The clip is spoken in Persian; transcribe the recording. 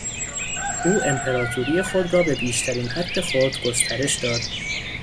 او امپراطوری خود را به بیشترین حد خود گسترش داد.